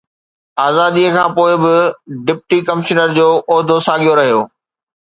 آزاديءَ کان پوءِ به ڊپٽي ڪمشنر جو عهدو ساڳيو رهيو